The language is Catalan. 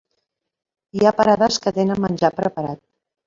Hi ha parades que tenen menjar preparat.